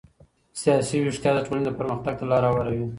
سياسي ويښتيا د ټولني پرمختګ ته لار هواروي.